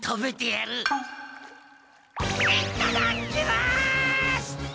いっただきます！